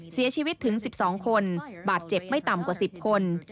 เสียชีวิตถึง๑๒คนบาดเจ็บไม่ต่ำกว่า๑๐คน